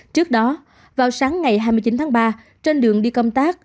trước đó vào sáng ngày hai mươi chín tháng ba trên đường đi công tác